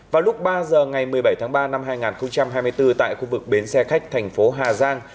vào lúc ba giờ ngày một mươi bảy tháng ba năm hai nghìn hai mươi bốn tại khu vực bến xe khách thành phố hà giang